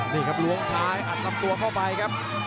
นี่ครับล้วงซ้ายอัดลำตัวเข้าไปครับ